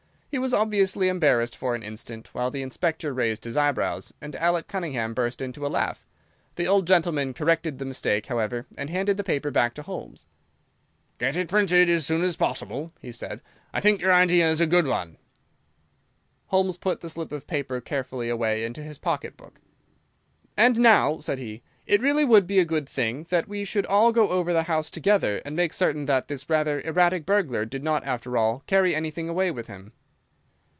He was obviously embarrassed for an instant, while the Inspector raised his eyebrows, and Alec Cunningham burst into a laugh. The old gentleman corrected the mistake, however, and handed the paper back to Holmes. "Get it printed as soon as possible," he said; "I think your idea is an excellent one." Holmes put the slip of paper carefully away into his pocket book. "And now," said he, "it really would be a good thing that we should all go over the house together and make certain that this rather erratic burglar did not, after all, carry anything away with him."